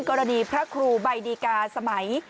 กรณีพระครูใบดีกาสมัย